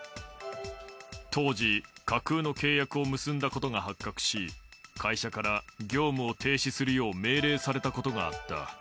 当時、架空の契約を結んだことが発覚し、会社から業務を停止するよう命令されたことがあった。